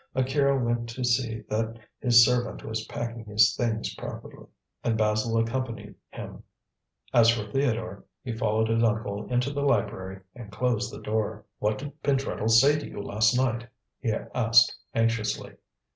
Akira went to see that his servant was packing his things properly, and Basil accompanied him. As for Theodore, he followed his uncle into the library and closed the door. "What did Pentreddle say to you last night?" he asked anxiously.